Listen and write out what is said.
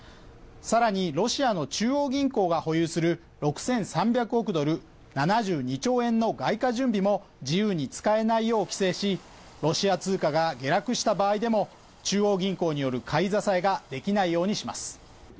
更にロシアの中央銀行が保有する６３００億ドル＝７２兆円の外貨準備も自由に使えないよう規制し、ロシア通貨が下落した場合でも中央銀行による買い支えができないようにします。